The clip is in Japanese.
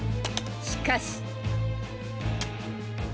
しかし。